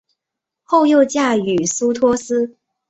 后又嫁予苏托斯。